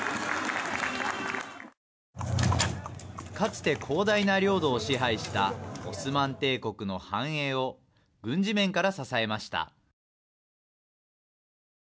かつて広大な領土を支配したオスマン帝国の繁栄を軍事面から支えました。